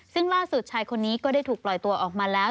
ซึ่งล่าสุดชายคนนี้ก็ได้ถูกปล่อยตัวออกมาแล้ว